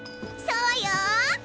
そうよ。